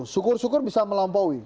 sukur sukur bisa melampaui